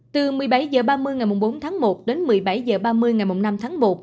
từ một mươi bảy h ba mươi ngày bốn tháng một đến một mươi bảy h ba mươi ngày năm tháng một